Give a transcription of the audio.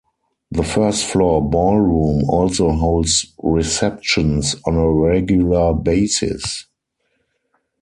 The first floor ballroom also holds receptions on a regular basis.